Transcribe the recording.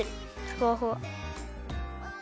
ふわふわ！